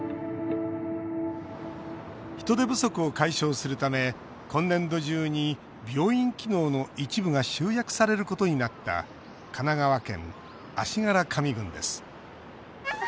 人手不足を解消するため今年度中に病院機能の一部が集約されることになった神奈川県足柄上郡です